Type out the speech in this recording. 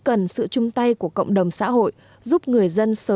asean hướng tới người dân